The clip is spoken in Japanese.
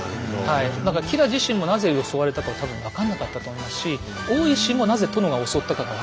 だから吉良自身もなぜ襲われたか多分分かんなかったと思いますし大石もなぜ殿が襲ったかが分からない。